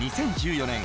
２０１４年